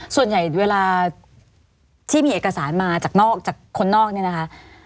ส่วนใหญ่เวลาที่มีเอกสารมาจากนอกจากคนนอกเนี่ยนะคะ